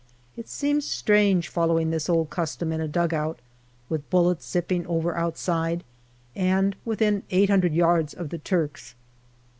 It seems strange following this old custom in a dugout, with bullets zipping over outside and within eight hundred yards of the Turks.